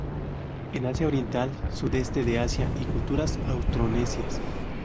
En Asia oriental, Sudeste de Asia y culturas austronesias.